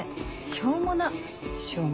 しょうもな。